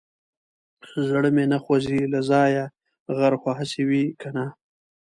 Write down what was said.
زړه مې نه خوځي له ځايه غر خو هسي وي که نه.